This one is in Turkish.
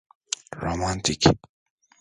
Romantik.